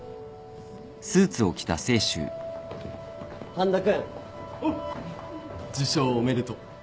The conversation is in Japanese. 半田君受賞おめでとう。